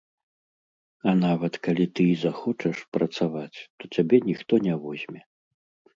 А нават калі ты і захочаш працаваць, то цябе ніхто не возьме.